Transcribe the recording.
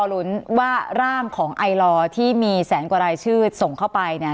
ลุ้นว่าร่างของไอลอร์ที่มีแสนกว่ารายชื่อส่งเข้าไปเนี่ย